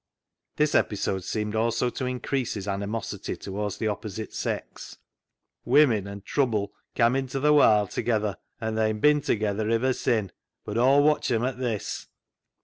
This episode seemed also to increase his ani mosity towards the opposite sex. " Women an' trubbel cam' into th' warld together, an' they'n bin together ivver sin' ; bud Aw'll watch 'em at this."